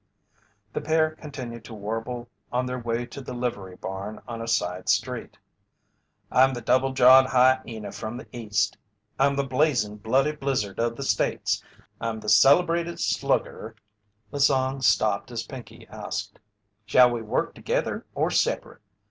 The pair continued to warble on their way to the livery barn on a side street: I'm the double jawed hyena from the East. I'm the blazing, bloody blizzard of the States. I'm the celebrated slugger The song stopped as Pinkey asked: "Shall we work together or separate?"